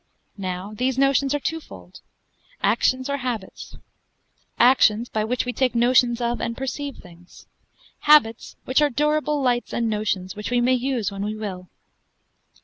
Now these notions are twofold, actions or habits: actions, by which we take notions of, and perceive things; habits, which are durable lights and notions, which we may use when we will.